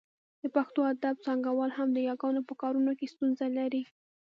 د پښتو ادب څانګوال هم د یاګانو په کارونه کې ستونزه لري